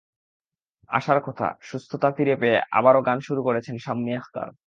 আশার কথা, সুস্থতা ফিরে পেয়ে আবারও গান শুরু করেছেন শাম্মী আখতার।